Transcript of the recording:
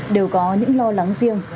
đều có những lo lắng riêng